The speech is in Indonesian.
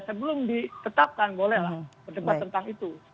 sebelum ditetapkan boleh lah berdebat tentang itu